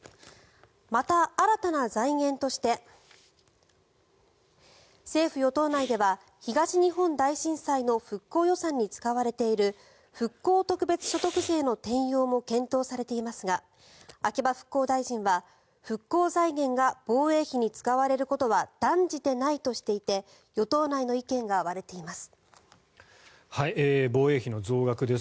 また、新たな財源として政府・与党内では東日本大震災の復興予算に使われている復興特別所得税の転用も検討されていますが秋葉復興大臣は復興財源が防衛費に使われることは断じてないとしていて与党内の意見が割れています。